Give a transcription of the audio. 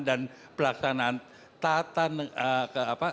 dan pelaksanaan tata